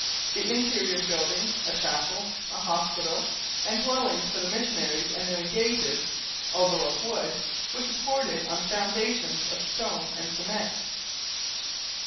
The interior buildings a chapel, a hospital, and dwellings for the missionaries and the engages although of wood, were supported on foundations of stone and cement.